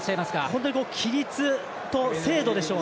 本当に規律と精度でしょう。